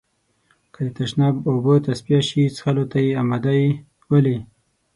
که د تشناب اوبه تصفيه شي، څښلو ته يې آماده يئ؟ ولې؟